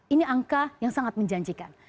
ini angka yang sangat menjanjikan